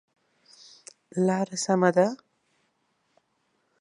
لاره سمه ده؟